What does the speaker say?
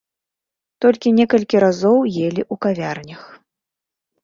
Толькі некалькі разоў елі ў кавярнях.